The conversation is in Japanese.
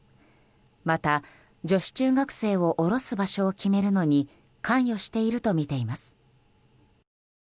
また、女子中学生を降ろす場所を決めるのに関与しているとみています。